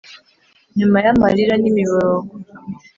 nyuma y’amarira n’imiborogo